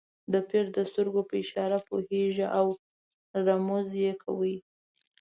د پیر د سترګو په اشاره پوهېږي او رموز یې کوي.